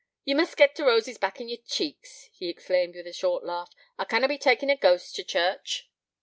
'Ye must git t' roses back t' yer cheeks,' he exclaimed, with a short laugh, 'I canna be takin' a ghost t' church.'